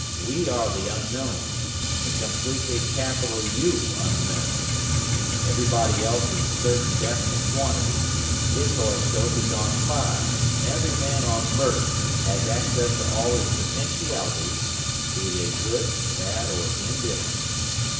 We are the unknown, the completely capital U Unknown. Everybody else is a certain definite quantity, his horoscope is on file and every man on Mert has access to all his potentialities, be they good, bad or indifferent.